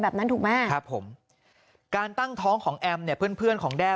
แบบนั้นถูกไหมครับผมการตั้งท้องของแอมเนี่ยเพื่อนเพื่อนของแด้